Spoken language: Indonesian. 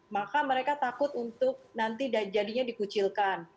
maka mereka takut untuk nanti jadinya dikucilkan